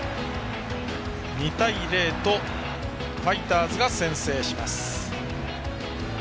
２対０とファイターズが先制します。